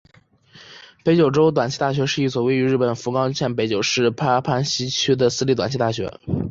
北九州短期大学是一所位于日本福冈县北九州市八幡西区的私立短期大学。